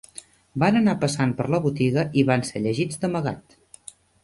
Van anar passant per la botiga i van ser llegits d'amagat